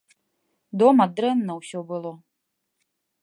Дома дрэнна усё было.